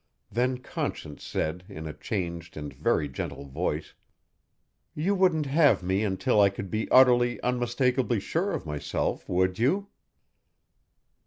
Then Conscience said in a changed and very gentle voice, "You wouldn't have me until I could be utterly, unmistakably sure of myself, would you?"